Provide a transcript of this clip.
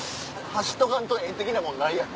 走っとかんと画的なもんないやろ。